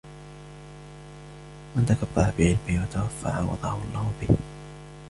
مَنْ تَكَبَّرَ بِعِلْمِهِ وَتَرَفَّعَ وَضَعَهُ اللَّهُ بِهِ